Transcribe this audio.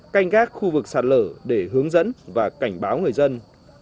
canh gác khu vực sạt lở để hướng dẫn và cảnh báo người dân